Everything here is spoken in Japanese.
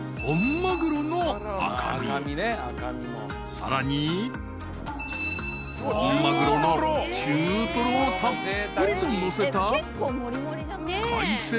［さらに］［本マグロの中トロをたっぷりとのせた海鮮バラちらし。